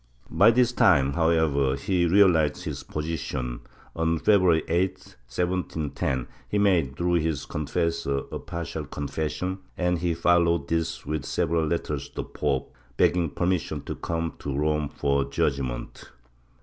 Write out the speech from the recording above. By this time, however, he reahzed his position; on February 8, 1710, he made, through his confessor, a partial confession, and he followed this with several letters to the pope, begging permission to come to Rome for judgement.